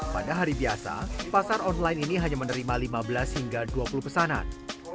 pada hari biasa pasar online ini hanya menerima lima belas hingga dua puluh pesanan